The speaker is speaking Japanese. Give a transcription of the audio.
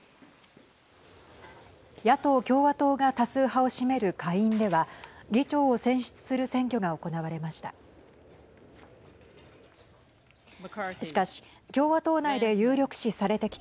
野党・共和党が多数派を占める下院では議長を選出する選挙が行われました。